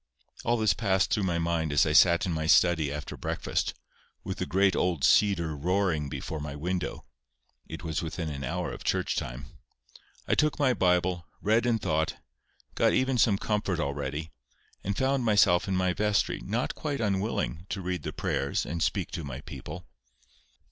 All this passed through my mind as I sat in my study after breakfast, with the great old cedar roaring before my window. It was within an hour of church time. I took my Bible, read and thought, got even some comfort already, and found myself in my vestry not quite unwilling to read the prayers and speak to my people.